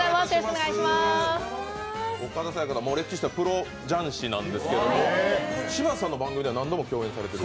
岡田紗佳さん、れっきとしたプロ雀士なんですけど、柴田さんの番組では何度も共演されている？